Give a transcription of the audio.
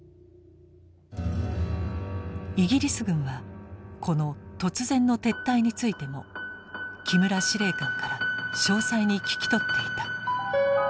イギリス軍はこの突然の撤退についても木村司令官から詳細に聞き取っていた。